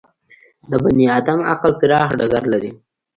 د بني ادم عقل پراخ ډګر لري.